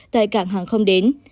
tại cảng hàng không đến